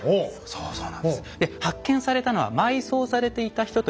そうそうなんです。